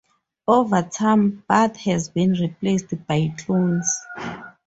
Over time, Bud has been replaced by clones.